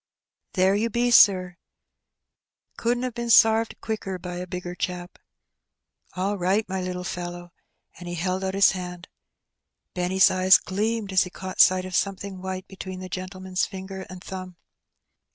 " There you be, sir. Couldn't a been sarved quicker by a bigger chap," "All right, my little fellow," and he held out his hand. Brother and Sister. Benny's eyes gleamed as he caught sight of something white between the gentleman's finger and thumb.